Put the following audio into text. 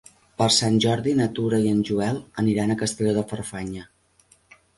Per Sant Jordi na Tura i en Joel aniran a Castelló de Farfanya.